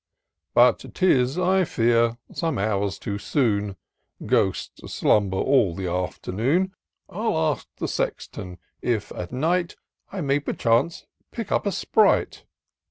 But 'tis, I fear, some hours too soon — Ghosts slumber all the afternoon : 1*11 ask the Sexton, if, at night, I may perchance pick up a sprite."